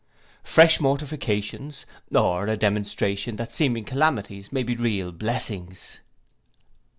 Fresh mortifications, or a demonstration that seeming calamities may be real blessings.